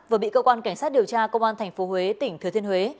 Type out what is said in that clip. vừa bị cơ quan cảnh sát điều tra công an tp huế tỉnh thừa thiên huế